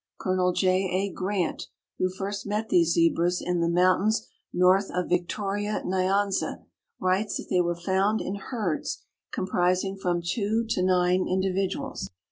"Colonel J. A. Grant, who first met these Zebras in the mountains north of Victoria Nyanza, writes that they were found in herds comprising from two to nine individuals."